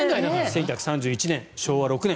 １９３１年、昭和６年。